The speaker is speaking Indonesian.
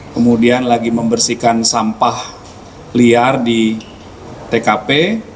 kemudian lagi membersihkan sampah liar di tkp